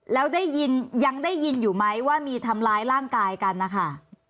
แล้วได้ยินยังได้ยินอยู่ไหมว่ามีทำร้ายร่างกายกันนะคะ